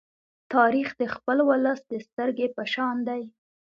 تاریخ د خپل ولس د سترگې په شان دی.